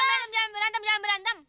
berantem jangan berantem jangan berantem